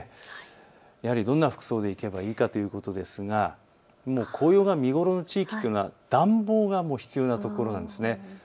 やはりどんな服装で行けばいいかということですが、紅葉が見頃の地域というのは暖房が必要なところなんです。